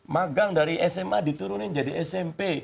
magang dari sma diturunin jadi smp